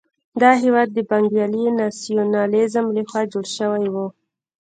دا هېواد د بنګالي ناسیونالېزم لخوا جوړ شوی وو.